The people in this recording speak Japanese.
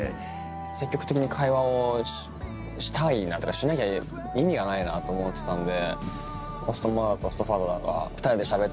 積極的に会話をしたいなとかしなきゃ意味がないなと思ってたんで。